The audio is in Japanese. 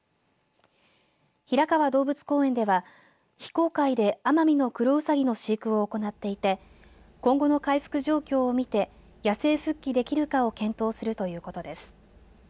平川動物公園では非公開でアマミノクロウサギの飼育を行っていて今後の回復状況を見て野生復帰できるかを検討するということです。